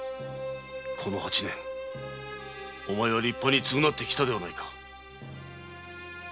この八年お前は立派に償ってきたではないか。